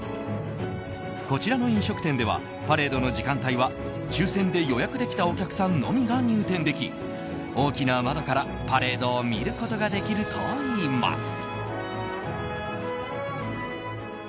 こちらの飲食店ではパレードの時間帯は抽選で予約できたお客さんのみが入店でき大きな窓からパレードを見ることができるといいます。